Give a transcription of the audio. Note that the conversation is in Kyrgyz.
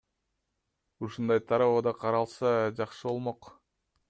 Ушундай тарабы да каралса, жакшы болмок.